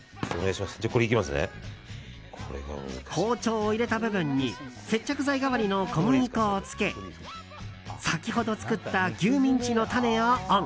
包丁を入れた部分に接着剤代わりの小麦粉をつけ先ほど作った牛ミンチのタネをオン。